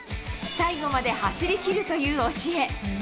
最後まで走りきるという教え。